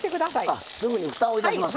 あすぐにふたをいたしますか。